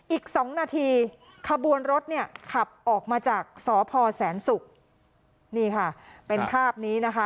อีกสองนาทีขบวนรถเนี่ยขับออกมาจากสพแสนศุกร์นี่ค่ะเป็นภาพนี้นะคะ